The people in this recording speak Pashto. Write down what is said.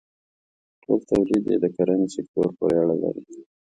ټول تولید یې د کرنې سکتور پورې اړه لري.